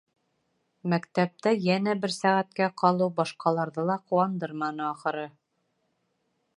Мәктәптә йәнә бер сәғәткә ҡалыу башҡаларҙы ла ҡыуандырманы, ахыры.